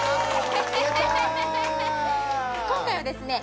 今回はですね